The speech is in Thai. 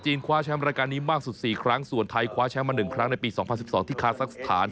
คว้าแชมป์รายการนี้มากสุด๔ครั้งส่วนไทยคว้าแชมป์มา๑ครั้งในปี๒๐๑๒ที่คาซักสถาน